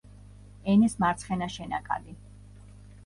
ენეს მარცხენა შენაკადი.